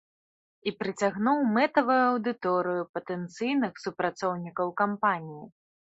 І прыцягнуў мэтавую аўдыторыю патэнцыйных супрацоўнікаў кампаніі.